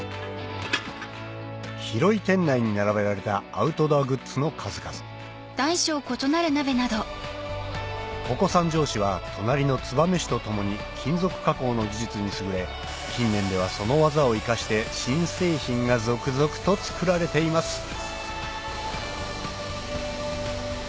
広い店内に並べられたアウトドアグッズの数々ここ三条市は隣の燕市と共に金属加工の技術に優れ近年ではその技を生かして新製品が続々と造られていますあ。